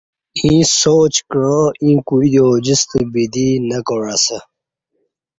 ییں سوچ کعا ایں کوئی دی اوجستہ بدی نہ کاع اسہ